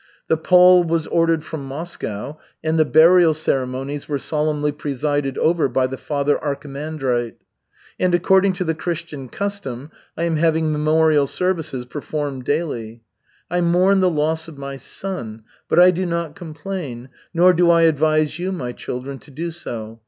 The pall was ordered from Moscow, and the burial ceremonies were solemnly presided over by the Father archimandrite. And according to the Christian custom, I am having memorial services performed daily. I mourn the loss of my son, but I do not complain, nor do I advise you, my children, to do so.